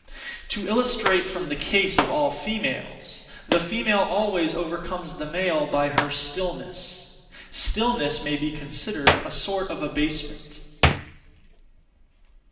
(To illustrate from) the case of all females: the female always overcomes the male by her stillness. Stillness may be considered (a sort of) abasement.